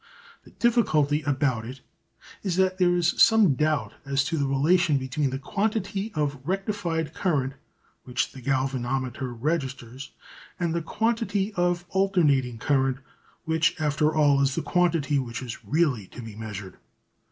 The difficulty about it is that there is some doubt as to the relation between the quantity of rectified current which the galvanometer registers and the quantity of alternating current, which after all is the quantity which is really to be measured.